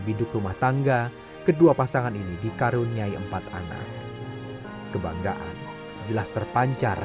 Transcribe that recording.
biduk rumah tangga kedua pasangan ini dikaruniai empat anak kebanggaan jelas terpancar